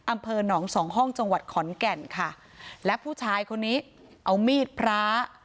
อำเภอหนองสองห้องจังหวัดขอนแก่นค่ะและผู้ชายคนนี้เอามีดพระ